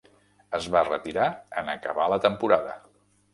Es va retirar en acabar la temporada.